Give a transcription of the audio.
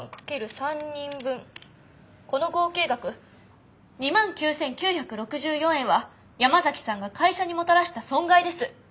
この合計額２万９，９６４円は山崎さんが会社にもたらした損害です。